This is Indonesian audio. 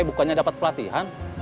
bukannya dapat pelatihan